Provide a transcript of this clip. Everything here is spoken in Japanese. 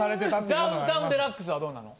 『ダウンタウンＤＸ』はどうなの？